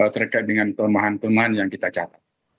terkait dengan kelemahan kelemahan yang kita catat